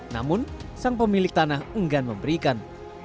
namun sang pemilik tanah enggan memberikan